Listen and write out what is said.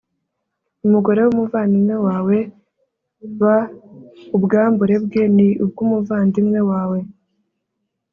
umugore w umuvandimwe wawe b Ubwambure bwe ni ubw umuvandimwe wawe